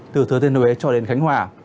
từ thừa tiên huế cho đến khánh hòa